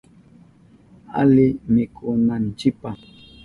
Ali mikunanchipa.